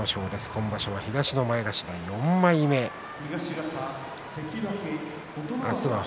今場所は東の前頭４枚目です。